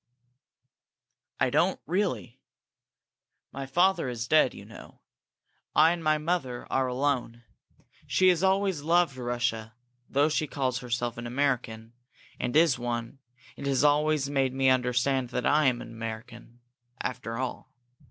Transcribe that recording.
"I don't, really. My father is dead, you know. I and my mother are alone. She has always loved Russia, though she calls herself an American, and is one, and has always made me understand that I am an American, before all.